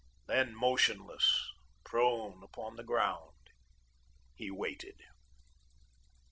Then motionless, prone upon the ground, he waited.